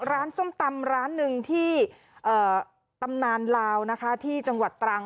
ส้มตำร้านหนึ่งที่ตำนานลาวนะคะที่จังหวัดตรัง